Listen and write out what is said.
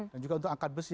dan juga untuk angkat besi